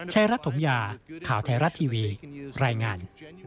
รัฐถมยาข่าวไทยรัฐทีวีรายงาน